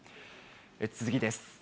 次です。